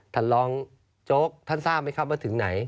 ท่านรองโจ๊กท่านทราบไหมครับว่าถึงไหน